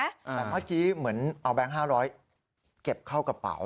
แต่เมื่อกี้เหมือนเอาแบงค์๕๐๐เก็บเข้ากระเป๋า